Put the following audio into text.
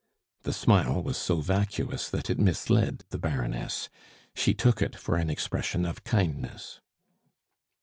The smile was so vacuous that it misled the Baroness; she took it for an expression of kindness.